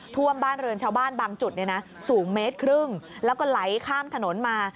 ท่วมบ้านเรือนชาวบ้านบางจุดสูงเมตรครึ่งแล้วก็ไหลข้ามถนนมา